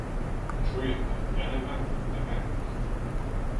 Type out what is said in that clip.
Чуєте, я невинний, невинний.